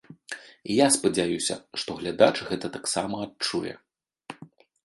І я спадзяюся, што глядач гэта таксама адчуе.